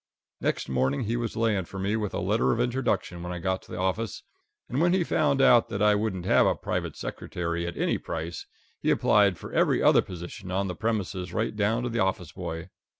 Next morning he was laying for me with a letter of introduction when I got to the office, and when he found that I wouldn't have a private secretary at any price, he applied for every other position on the premises right down to office boy.